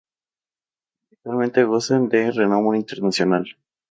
Habitualmente gozan de renombre internacional.